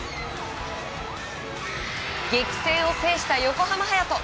激戦を制した横浜隼人。